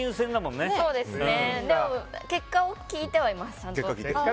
結果を聞いてはいます。